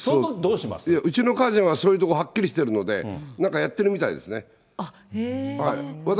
いや、うちの家人は、そういうところははっきりしてるので、なんかやってるみたいですね。